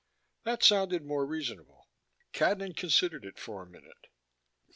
That sounded more reasonable. Cadnan considered it for a minute.